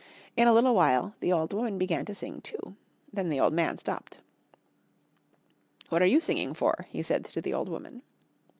In a little while the old woman began to sing too. Then the old man stopped. "What are you singing for?" he said to the old woman.